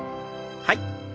はい。